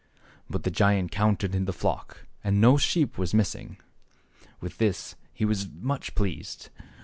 " But the giant counted the flock and no sheep was missing. With this he was much pleased.